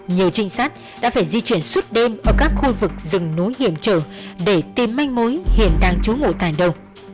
nhiều trinh sát đã phải di chuyển suốt đêm ở các khu vực rừng núi hiểm trở để tìm manh mối hiền đang trốn ngồi tàn đầu